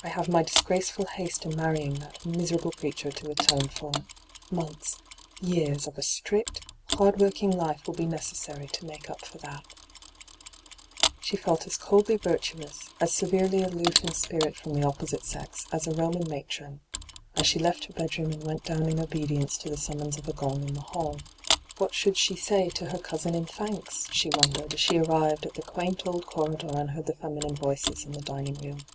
I have my disgracefiil haste in marrying that miserable creature to atone for. Months, years, of a strict, hardworking life will be necessary to make up for that' She felt as coldly virtuous, as severely aloof in spirit from the opposite sex, as a Roman matron — as she left her bedroom and went down in obedience to the summons of a gong in the hall. What should she say to her cousin in thanks? she wondered, as she arrived at the quaint old corridor and heard the feminine voices in the dining room.